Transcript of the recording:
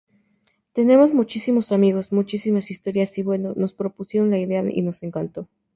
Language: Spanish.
Tenemos muchísimos amigos, muchísimas historias, y bueno, nos propusieron la idea y nos encantó.